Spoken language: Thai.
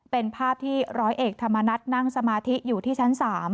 เป็นภาพที่ร้อยเอกธรรมนัฐนั่งสมาธิอยู่ที่ชั้น๓